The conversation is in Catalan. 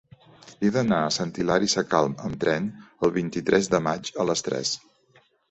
He d'anar a Sant Hilari Sacalm amb tren el vint-i-tres de maig a les tres.